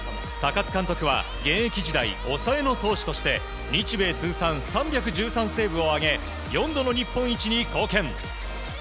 高津監督は現役時代、抑えの投手として日米通算３１３セーブを挙げ４度の日本一に貢献。